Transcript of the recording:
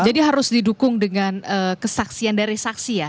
jadi harus didukung dengan kesaksian dari saksi ya